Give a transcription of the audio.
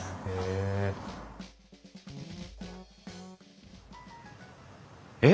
へえ。